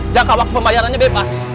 jangka waktu pembayarannya bebas